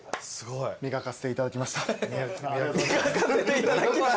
磨かせていただきました。